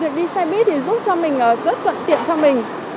việc đi xe buýt thì giúp cho mình rất thuận tiện cho mình